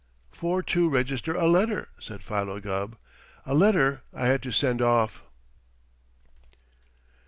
"For to register a letter," said Philo Gubb. "A letter I had to send off."